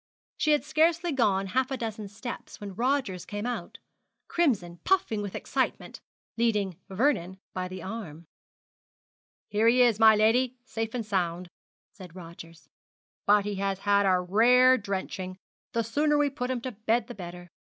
She had scarcely gone half a dozen steps when Rogers came out, crimson, puffing with excitement, leading Vernon by the arm. 'Here he is, my lady, safe and sound!' said Rogers; 'but he has had a rare drenching the sooner we put him to bed the better.'